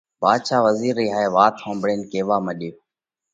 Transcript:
ڀاڌشا وزِير رئي هائي وات ۿومڀۯينَ ڪيوا مڏيو: